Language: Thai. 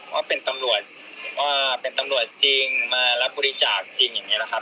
ว่าเป็นตำรวจว่าเป็นตำรวจจริงมารับบริจาคจริงอย่างนี้นะครับ